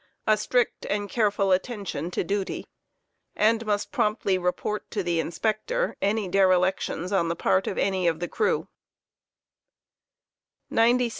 a strict and careful attention to duty; and must promptly report to the Inspector any derelictions on the part of any of the crew* 96.